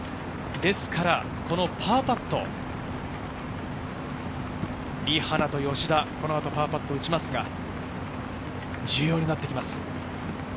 ですから、このパーパット、リ・ハナと吉田、この後パーパットを打ちますが、重要になってきます。